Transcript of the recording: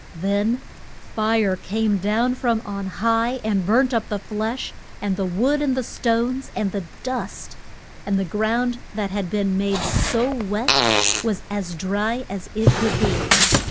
Then fire came down from on high and burnt up the flesh, and the wood and the stones, and the dust; and the ground that had been made so wet was as dry as it could be.